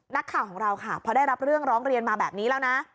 นักข่าวของเราค่ะพอได้รับเรื่องร้องเรียนมาแบบนี้แล้วนะ